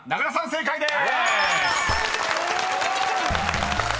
正解です！］